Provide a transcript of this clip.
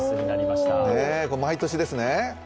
あっ、毎年ですね。